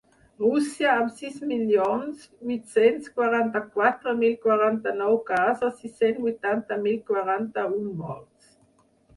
Rússia, amb sis milions vuit-cents quaranta-quatre mil quaranta-nou casos i cent vuitanta mil quaranta-un morts.